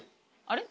あれ？